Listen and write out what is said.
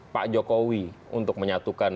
pak jokowi untuk menyatukan